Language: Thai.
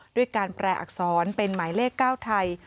ด้วยการแปลอักษรเป็นหมายเลข๙ไทย